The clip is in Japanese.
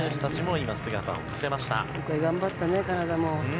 よく頑張ったねカナダも。